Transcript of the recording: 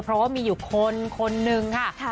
เพราะว่ามีอยู่คนนึงค่ะ